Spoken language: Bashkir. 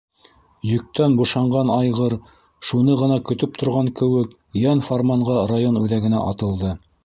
Йөктән бушанған айғыр, шуны ғына көтөп торған кеүек, йән-фарманға район үҙәгенә атылды.